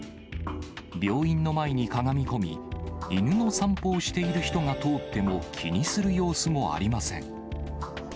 病院の前にかがみこみ、犬の散歩をしている人が通っても、気にする様子もありません。